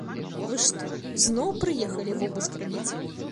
Вы што, зноў прыехалі вобыск рабіць?